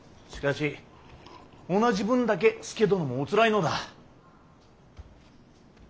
しかし同じ分だけ佐殿もおつらいのだ。